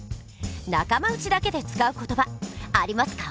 仲間内だけで使う言葉ありますか？